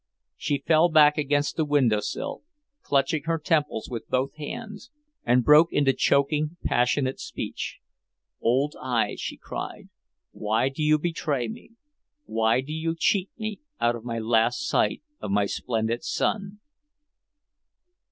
She fell back against the windowsill, clutching her temples with both hands, and broke into choking, passionate speech. "Old eyes," she cried, "why do you betray me? Why do you cheat me of my last sight of my splendid son!"